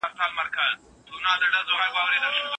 د پښتو د غني کولو لپاره باید د پخوانیو شاعرانو مطالعه وسو.